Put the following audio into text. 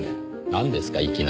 なんですかいきなり。